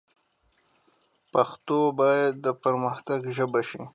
پښتو باید د پرمختګ ژبه شي.